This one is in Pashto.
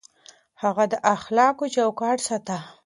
هغه د اخلاقو چوکاټ ساته.